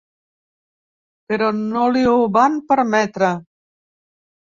Però no li ho van permetre.